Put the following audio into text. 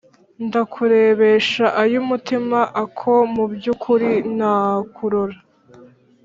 ndakurebesha ay’umutima ako mubyukuri ntakurora